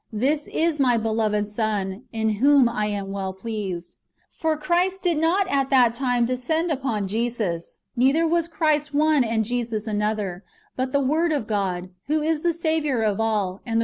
This is my beloved Son, in whom I am well pleased." ^^ For Christ did not at that time descend upon Jesus, neither was Christ one and Jesus another ; but the Word of God — 1 Matt.